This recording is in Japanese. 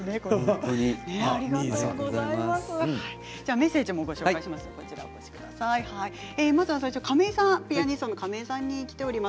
メッセージもご紹介します。